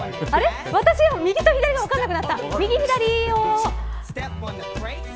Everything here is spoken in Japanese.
私、右と左が分からなくなった。